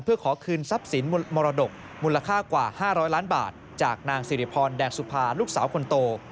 เพื่อขอคืนทรัพย์สินมรดกมูลค่ากว่า๕๐๐ล้านบาทจากนางสิริพรแดงสุภาลูกสาวคนโต